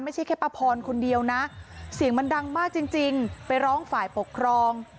ไม่ใช่แค่ป้าพรคนเดียวนะเสียงมันดังมากจริงไปร้องฝ่ายปกครอง